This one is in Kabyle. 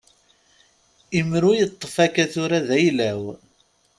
Imru i teṭṭfeḍ akka tura d ayla-w.